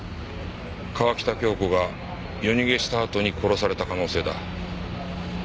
川喜多京子が夜逃げしたあとに殺された可能性だ。